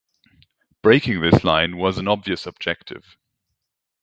Breaking this line was an obvious objective.